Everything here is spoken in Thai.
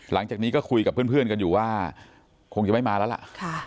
หลังจากนี้ก็คุยกับเพื่อนกันอยู่ว่าคงจะไม่มาแล้วล่ะ